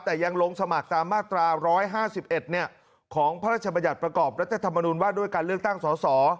แต่ยังลงสมัครตามมาตรา๑๕๑ของพระราชบัญญัติประกอบรัฐธรรมนุนว่าด้วยการเลือกตั้งสส